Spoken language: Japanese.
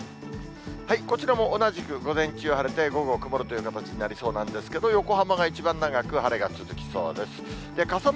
こちらも同じく、午前中は晴れて、午後、曇るという形になりそうなんですけれども、横浜が一番長く晴れが続きそうです。